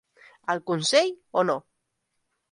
Al consell o no.